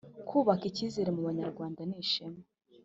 kubaka icyizere mu Banyarwanda nishema